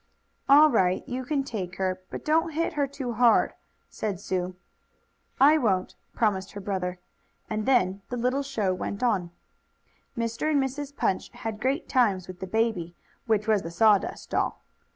"All right. You can take her, but don't hit her too hard," said Sue. "I won't," promised her brother. And then the little show went on. Mr. and Mrs. Punch had great times with the "baby," which was the sawdust doll.